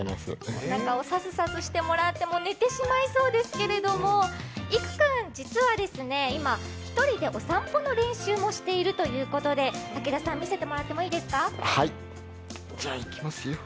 おなかをさすさすしてもらって、寝てしまいそうですが育君、実は今、１人でお散歩の練習をしているということで竹田さん、見せてもらっていいですか？